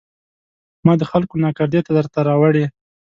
ما د خلکو ناکردې درته راوړي